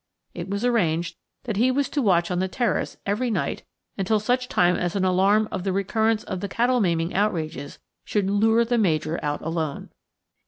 It was arranged that he was to watch on the terrace every night until such time as an alarm of the recurrence of the cattle maiming outrages should lure the Major out alone.